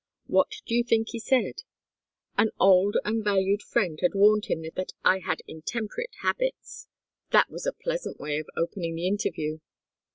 What do you think he said? 'An old and valued friend had warned him that I had intemperate habits.' That was a pleasant way of opening the interview.